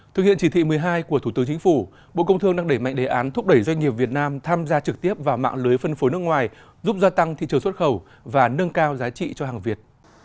thực hiện chỉ thị một mươi hai của thủ tướng chính phủ bộ công thương đang đẩy mạnh đề án thúc đẩy doanh nghiệp việt nam tham gia trực tiếp vào mạng lưới phân phối nước ngoài giúp gia tăng thị trường xuất khẩu và nâng cao giá trị cho hàng việt